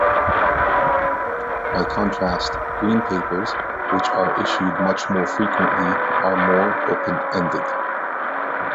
By contrast, green papers, which are issued much more frequently, are more open-ended.